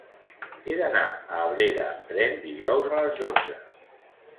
He d'anar a Abrera amb tren dijous a les dotze.